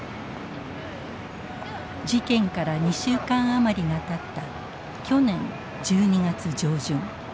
事件から２週間余りがたった去年１２月上旬。